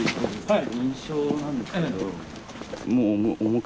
はい。